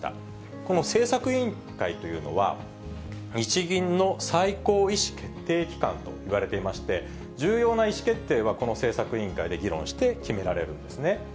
この政策委員会というのは、日銀の最高意思決定機関といわれていまして、重要な意思決定はこの政策委員会で議論して決められるんですね。